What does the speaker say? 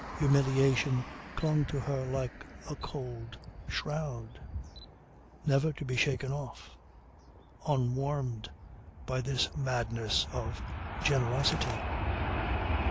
Humiliation clung to her like a cold shroud never to be shaken off, unwarmed by this madness of generosity.